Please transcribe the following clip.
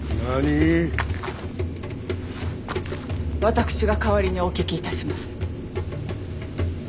私が代わりにお聞きいたします。